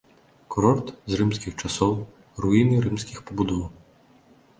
Курорт з рымскіх часоў, руіны рымскіх пабудоў.